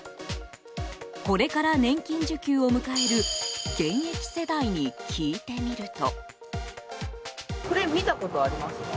これから年金受給を迎える現役世代に聞いてみると。